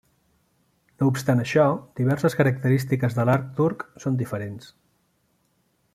No obstant això, diverses característiques de l'arc turc són diferents.